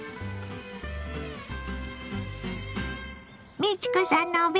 美智子さんのお弁当レシピ。